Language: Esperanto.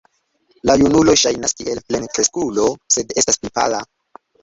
La junulo ŝajnas kiel plenkreskulo, sed estas pli pala.